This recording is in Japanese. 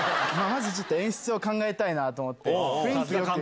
まずちょっと演出を考えたいなと思って。